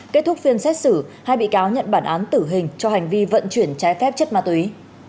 kết thúc phiên xét xử hai bị cáo nhận bản án tử hình cho hành vi vận chuyển trái phép chất ma túy